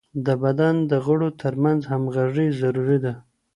د بدن د غړو ترمنځ همږغي ضروري ده.